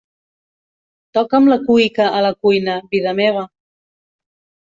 Toca'm la cuïca a la cuina, vida meva.